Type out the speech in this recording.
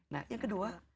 nah yang kedua